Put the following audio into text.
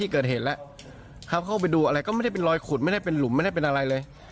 เกิดเหตุแล้วเขาเข้าไปดูอะไรก็ไม่ได้เป็นรอยขุดไม่ได้เป็นหลุมไม่ได้เป็นอะไรเลย